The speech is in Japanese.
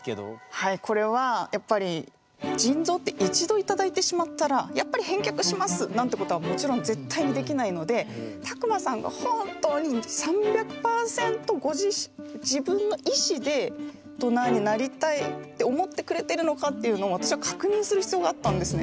はいこれはやっぱり腎臓って一度頂いてしまったらやっぱり返却しますなんてことはもちろん絶対にできないので卓馬さんが本当に３００％って思ってくれてるのかっていうのを私は確認する必要があったんですね。